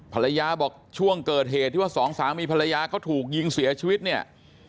ภรรยาบอกช่วงเกิดเหตุที่ว่าสองสามีภรรยาเขาถูกยิงเสียชีวิตเนี่ย